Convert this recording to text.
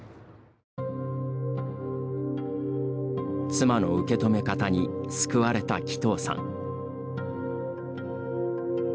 妻の受け止め方に救われた鬼頭さん。